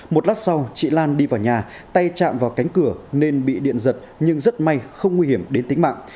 một lát sau chị lan đi vào nhà tay chạm vào cánh cửa nên bị điện giật nhưng rất may không nguy hiểm đến tính mạng